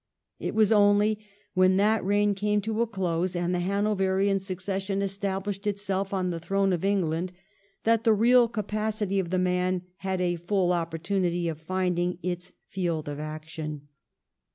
It was only when that reign came to a close and the Hano verian succession established itself on the throne of England that the real capacity of the man had a full opportunity of finding its field of action.